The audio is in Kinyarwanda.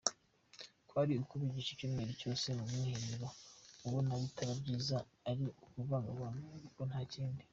Kwari ukubigisha icyumweru cyose mu mwiherero, abona bitaba byiza ari ukuvangavanga ariko ntakindi.